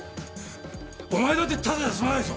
お前だってただじゃ済まないぞ。